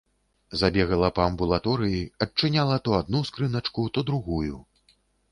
Забегала па амбулаторыі, адчыняла то адну скрыначку, то другую.